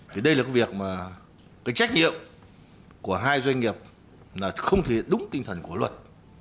thì đây là cái việc mà cái trách nhiệm của hai doanh nghiệp là không thể đúng tinh thần của luật